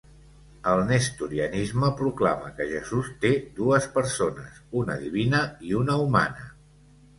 El nestorianisme proclama que Jesús té dues persones, una divina i una humana.